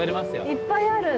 いっぱいある。